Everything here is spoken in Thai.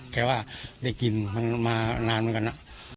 แค่ว่าได้กินมันมานานเหมือนกันนะ